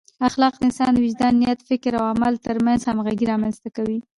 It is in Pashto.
اخلاق د انسان د وجدان، نیت، فکر او عمل ترمنځ همغږۍ رامنځته کوي.